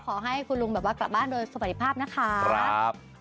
ขอให้คุณลุงแบบว่ากลับบ้านโดยสวัสดีภาพนะคะ